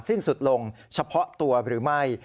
สิ้นสุดลงเฉพาะตัวหรือไม่